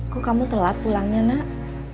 kok kamu telat pulangnya nak